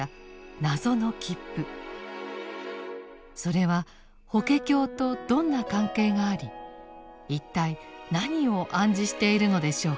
それは法華経とどんな関係があり一体何を暗示しているのでしょうか。